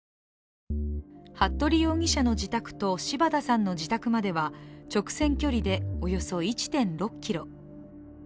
服部容疑者の自宅と柴田さんの自宅までは、直線距離でおよそ１．６ｋｍ。